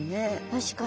確かに。